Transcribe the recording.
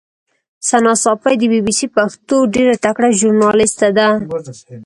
ثنا ساپۍ د بي بي سي پښتو ډېره تکړه ژورنالیسټه ده.